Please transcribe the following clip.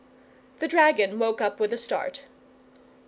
The dragon woke up with a start.